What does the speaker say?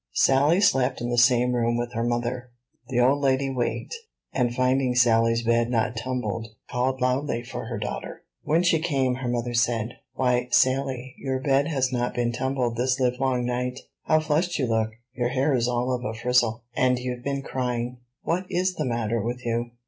Sally slept in the same room with her mother. The old lady waked, and finding Sally's bed not tumbled, called loudly for her daughter. When she came, her mother said, "Why, Sally, your bed has not been tumbled this live long night; how flushed you look! your hair is all of a frizzle, and you've been crying: what is the matter with you?"